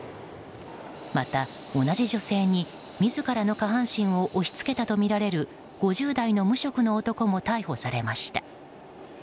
また、同じ女性に自らの下半身を押し付けたとみられる５０代の無職の男も逮捕されました。